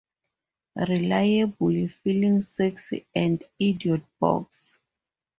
Reliable", "Feeling Sexy" and "Idiot Box".